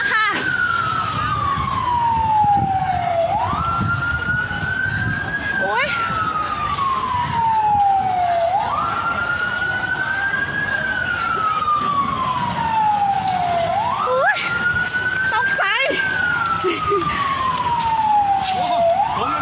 คุณพ่อมาช่วยกับเมืองแรกไหม้ส่วนประชาธิ์ศูนย์อย่าลืมด้วย